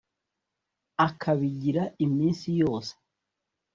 akabigira iminsi yose.